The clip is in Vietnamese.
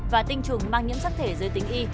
và tinh trùng mang những sắc thể giới tính y